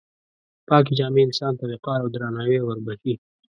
پاکې جامې انسان ته وقار او درناوی وربښي.